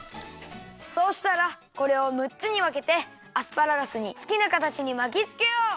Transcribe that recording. そうしたらこれをむっつにわけてアスパラガスにすきなかたちにまきつけよう！